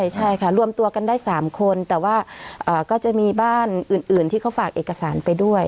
ใช่ค่ะรวมตัวกันได้๓คนแต่ว่าก็จะมีบ้านอื่นที่เขาฝากเอกสารไปด้วย